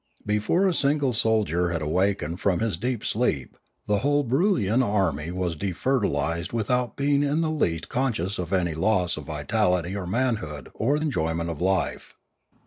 Before a single soldier had awakened from his deep sleep, the whole Broolyian army vyas de fertilised without being in the least conscious of any loss of vitality or manhood or enjoyment of life.